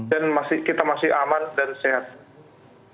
dan kita masih aman dan sehat